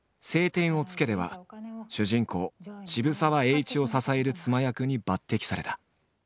「青天を衝け」では主人公渋沢栄一を支える妻役に抜てきされた。